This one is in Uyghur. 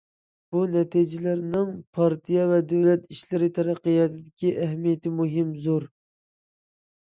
بۇ نەتىجىلەرنىڭ پارتىيە ۋە دۆلەت ئىشلىرى تەرەققىياتىدىكى ئەھمىيىتى مۇھىم، زور.